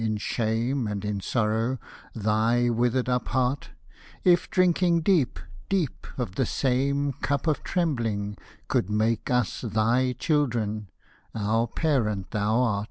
In shame and in sorrow, thy withered up heart — If drinking deep, deep, of the same "cup of trembling" Could make us thy children, our parent thou art.